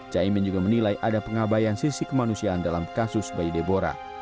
caimin juga menilai ada pengabayan sisi kemanusiaan dalam kasus bayi debora